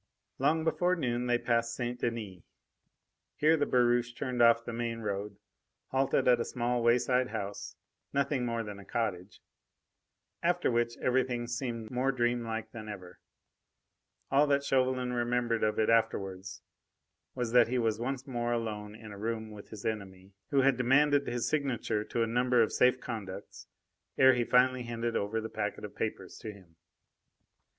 Long before noon they passed St. Denis. Here the barouche turned off the main road, halted at a small wayside house nothing more than a cottage. After which everything seemed more dreamlike than ever. All that Chauvelin remembered of it afterwards was that he was once more alone in a room with his enemy, who had demanded his signature to a number of safe conducts, ere he finally handed over the packet of papers to him.